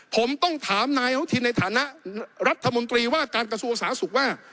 ผมต้องถามนายอนุทินในฐานะรัฐมนตรีว่าการกระทรวงสาธารณสุขว่า